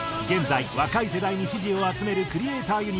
現在若い世代に支持を集めるクリエイター